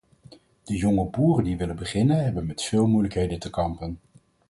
De jonge boeren die willen beginnen hebben met veel moeilijkheden te kampen.